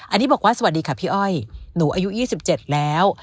อันนี้บอกว่าสวัสดีค่ะพี่อ้อยหนูอายุ๒๗แล้ว